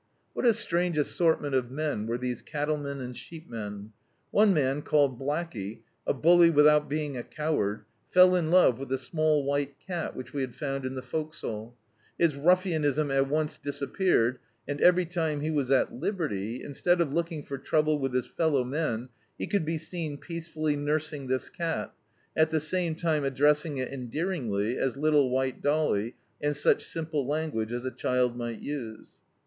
What a strange assortment of men were these cattlemen and sheepmen. One man, called Blacli^, a bully without being a coward, felt in love with a small white cat, which we had found in the fore castle. His nifBanism at once dis^peared, and every time he was at liberty, instead of looking for trouble with his fellow^nen, he could be seen peace fully nursing this cat, at the same time addressing it endearingly as "Little White Dolly," and such simple language as a child might use.